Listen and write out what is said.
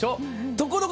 ところが